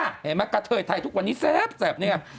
เห็นไหมกระเทยไทยทุกวันนี้แซ่บนี่ไง